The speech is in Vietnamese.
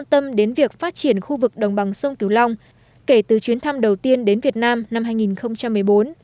tâm đến việc phát triển khu vực đồng bằng sông kiều long kể từ chuyến thăm đầu tiên đến việt nam năm hai nghìn một mươi bốn